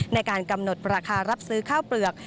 ในการกำหนดราคารับซื้อข้าวเปลือก